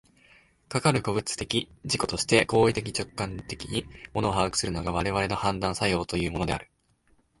かかる個物的自己として行為的直観的に物を把握するのが、我々の判断作用というものである。